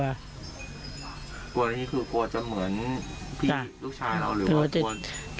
กลัวอันนี้คือกลัวจะเหมือนพี่ลูกชายเราหรือว่ากลัว